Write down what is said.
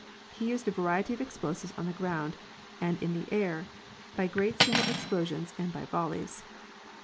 He used a variety of explosives, on the ground and in the air, by great single explosions and by volleys.